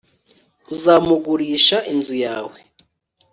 uzamugurisha inzu yawe